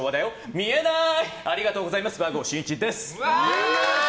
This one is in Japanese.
見えなーい！